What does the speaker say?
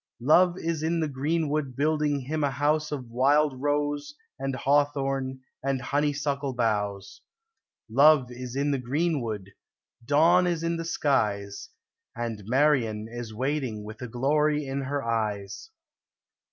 Love is in the greenwood building him a house Of wild rose and hawthorne and honeysuckle boughs : 182 POEMS OF FANCY. Love is in the greenwood : Dawn is in the skies ; And Marian is waiting with a glory in her eyes.